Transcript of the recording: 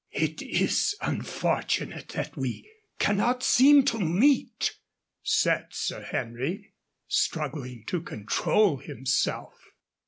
"It is unfortunate that we cannot seem to meet," said Sir Henry, struggling to control himself.